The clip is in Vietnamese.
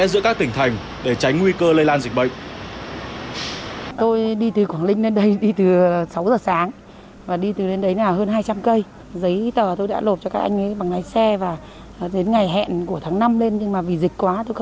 giữa các tỉnh thành để tránh nguy cơ lây lan dịch bệnh